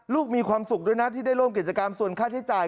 มีความสุขด้วยนะที่ได้ร่วมกิจกรรมส่วนค่าใช้จ่าย